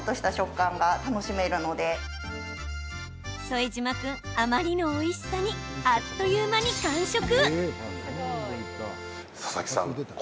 副島君、あまりのおいしさにあっという間に完食。